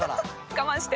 我慢して。